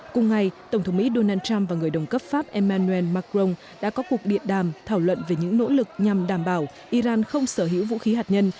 cùng ngày tổng thống mỹ donald trump và người đồng cấp pháp emmanuel macron đã có cuộc điện đàm thảo luận về những nỗ lực nhằm đảm bảo iran không sở hữu vũ khí hạt nhân